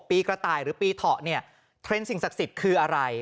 กระต่ายหรือปีเถาะเนี่ยเทรนด์สิ่งศักดิ์สิทธิ์คืออะไร